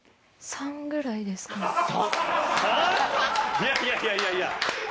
いやいやいやいやいや。